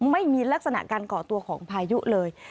ไม่มีลักษณะการก่อตัวของพายุเลย